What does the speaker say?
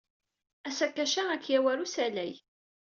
Asakac-a ad k-yawey ɣer usalay.